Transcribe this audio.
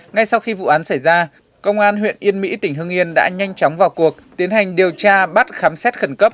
ngay sau khi vụ án xảy ra công an huyện yên mỹ tỉnh hưng yên đã nhanh chóng vào cuộc tiến hành điều tra bắt khám xét khẩn cấp